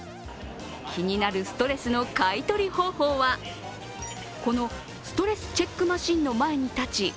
気になるストレスの買い取り方法は、このストレスチェックマシンの前に立ち